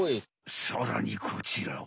さらにこちらは？